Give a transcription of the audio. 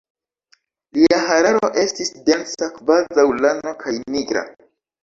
Lia hararo estis densa kvazaŭ lano, kaj nigra.